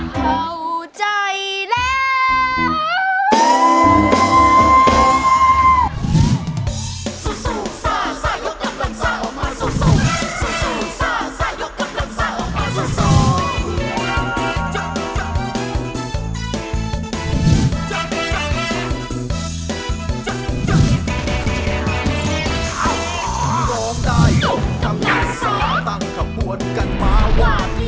เข้าใจแล้ว